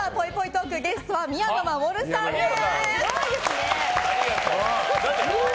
トークゲストは宮野真守さんです。